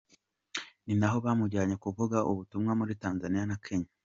Ni nabo bamujyanye kuvuga ubutumwa muri Tanzania na Kenya.